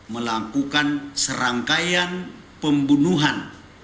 melakukan serangkaian pembunuhan